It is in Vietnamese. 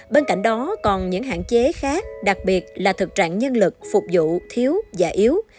bên cạnh đó còn những hạn chế khác đặc biệt là thực trạng nhân lực phục vụ thiếu và yếu